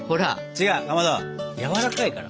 違うかまどやわらかいから。